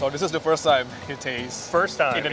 jadi ini pertama kali